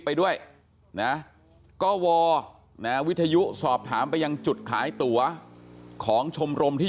ไปด้วยนะก็วอนะวิทยุสอบถามไปยังจุดขายตั๋วของชมรมที่